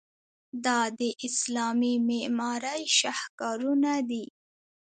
دا د اسلامي معمارۍ شاهکارونه دي.